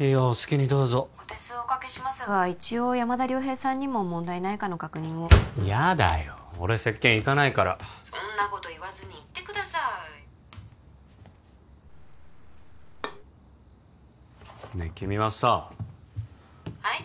いいよお好きにどうぞ☎お手数おかけしますが一応山田遼平さんにも問題ないかの確認をやだよ俺接見行かないから☎そんなこと言わずに行ってくださいねえ君はさ☎はい？